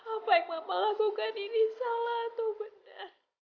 apa yang mama lakukan ini salah atau benar